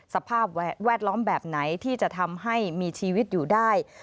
สภาพแวดล้อมแบบไหนที่จะทำให้มีชีวิตอยู่ได้